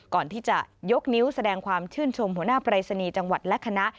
ก่อนที่จะยกนิ้วแสดงความชื่นชมหัวหน้าปรายศนีย์จังหวัดและคณะ